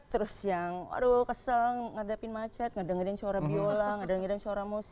terus yang kesel ngadepin macet ngedengerin suara viola ngedengerin suara musik